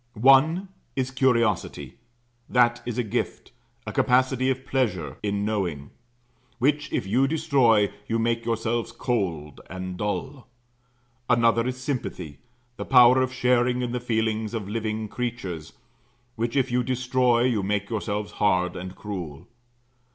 One is curiosity; that is a gift, a capacity of pleasure in knowing; which if you destroy, you make yourselves cold and dull. Another is sympathy; the power of sharing in the feelings of living creatures, which if you destroy, you make yourselves hard and cruel.